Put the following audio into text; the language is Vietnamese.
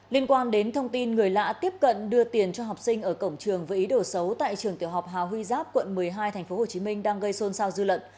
liên quan đến thông tin người lạ tiếp cận đưa tiền cho học sinh ở cổng trường với ý đồ xấu tại trường tiểu học hà huy giáp quận một mươi hai tp hcm đang gây xôn xao dư lận